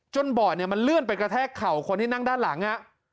เบาะเนี่ยมันเลื่อนไปกระแทกเข่าคนที่นั่งด้านหลัง